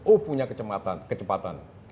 oh punya kecepatan